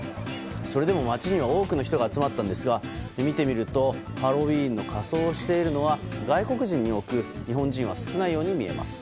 それでも街には多くの人が集まったんですが見てみるとハロウィーンの仮装をしているのは外国人に多く日本人は少ないように見えます。